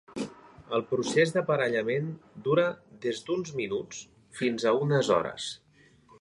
El procés d'aparellament dura des d'uns minuts fins a unes hores.